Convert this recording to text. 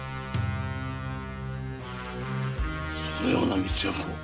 そのような密約を！